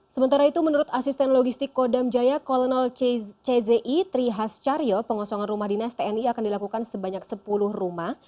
sementara itu menurut asisten logistik kodam jaya kolonel czi trihas charyo pengosongan rumah dinas tni akan dilakukan sebanyak sepuluh rumah